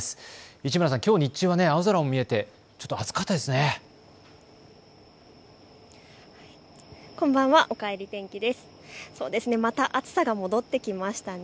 市村さん、きょう日中は青空も見えて暑かったですね。